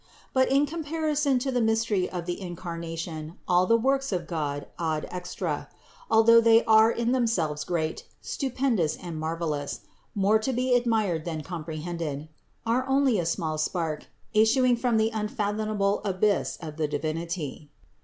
But in comparison to the mystery of the Incarnation, all the works of God ad extra, although they are in them selves great, stupendous and marvelous, more to be ad mired than comprehended, are only a small spark, issuing from the unfathomable abyss of the Divinity.